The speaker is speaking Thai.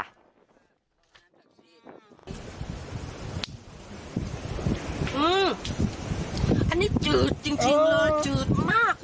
อืมอันนี้จืดจริงเลยจืดมาก